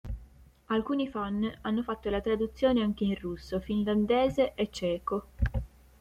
Alcuni fan hanno fatto la traduzione anche in russo, finlandese e ceco.